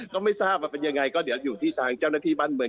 ก็ไม่ทราบว่าเป็นยังไงก็เดี๋ยวอยู่ที่ทางเจ้าหน้าที่บ้านเมือง